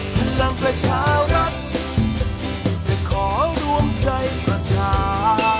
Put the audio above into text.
พลังประชารัฐจะขอรวมใจประชา